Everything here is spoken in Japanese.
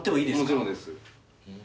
もちろんです。